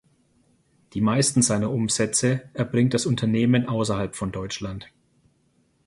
Die meisten seiner Umsätze erbringt das Unternehmen außerhalb von Deutschland.